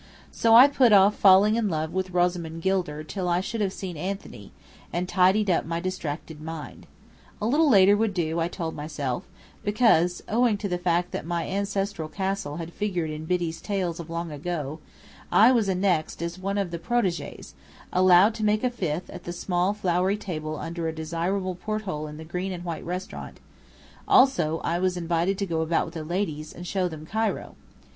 So I put off falling in love with Rosamond Gilder till I should have seen Anthony, and tidied up my distracted mind. A little later would do, I told myself, because (owing to the fact that my ancestral castle had figured in Biddy's tales of long ago) I was annexed as one of the protégés; allowed to make a fifth at the small, flowery table under a desirable porthole in the green and white restaurant; also I was invited to go about with the ladies and show them Cairo.